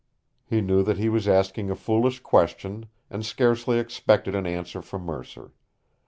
He knew that he was asking a foolish question and scarcely expected an answer from Mercer.